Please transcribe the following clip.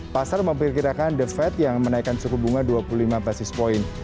pasar memperkirakan the fed yang menaikkan suku bunga dua puluh lima basis point